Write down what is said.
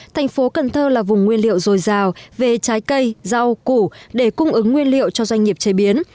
thành phố cần thơ là vùng nguyên liệu dồi dào về trái cây rau củ để cung ứng nguyên liệu cho doanh nghiệp chế biến